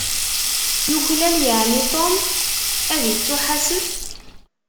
Yuklal yeεni Tom ad ittuḥasef?